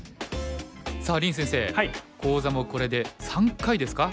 さあ林先生講座もこれで３回ですか。